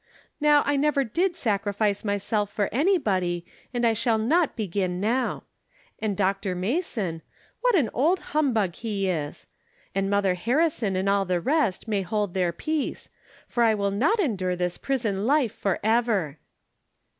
Now, I never did sacrifice myself for any body, and I shall not begin now. And Dr. Ma son — what an old humbug he is ! And Mother Harrison and aU the rest may hold their peace, for I will not endure this prison life forever.